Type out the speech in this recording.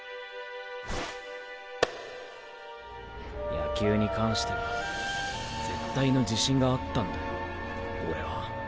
野球に関しては絶対の自信があったんだよ俺は。